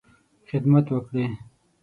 خدمت وکړې.